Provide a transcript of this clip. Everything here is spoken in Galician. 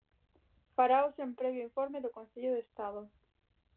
Farao sen previo informe do Consello de Estado.